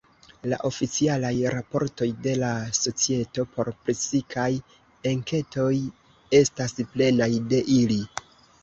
La oficialaj raportoj de la Societo por Psikaj Enketoj estas plenaj de ili.